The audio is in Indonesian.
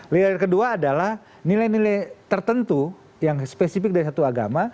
layer kedua adalah nilai nilai tertentu yang spesifik dari satu agama